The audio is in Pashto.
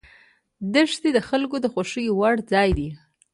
دښتې د خلکو د خوښې وړ ځای دی.